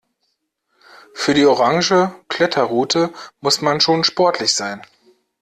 Für die orange Kletterroute muss man schon sportlich sein.